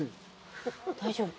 大丈夫？